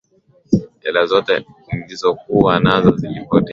Hela zote nilizokuwa nazo zilipotea.